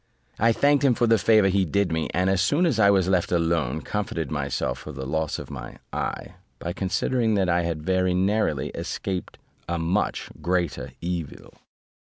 I thanked him for the favour he did me; and as soon as I was left alone, comforted myself for the loss of my eye, by considering that I had very narrowly escaped a much greater evil.